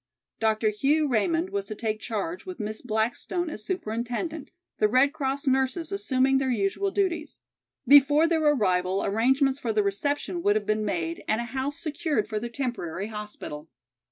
Dr. Hugh Raymond was to take charge with Miss Blackstone as superintendent, the Red Cross nurses assuming their usual duties. Before their arrival arrangements for their reception would have been made and a house secured for their temporary hospital.